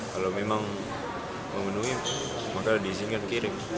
kalau memang memenuhi maka di sini kan kirim